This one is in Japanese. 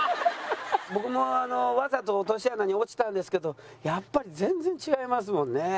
僕もあのわざと落とし穴に落ちたんですけどやっぱり全然違いますもんね。